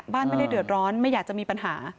ไม่ได้เดือดร้อนไม่อยากจะมีปัญหา